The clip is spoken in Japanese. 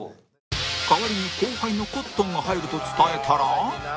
代わりに後輩のコットンが入ると伝えたら？